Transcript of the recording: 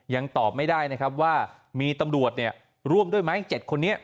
ยังตอบไม่ได้นะครับว่ามีตำรวจร่วมด้วยไหม๗คนนี้